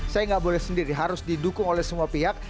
saya nggak boleh sendiri harus didukung oleh semua pihak